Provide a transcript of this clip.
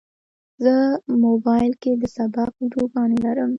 زه موبایل کې د سبق ویډیوګانې لرم.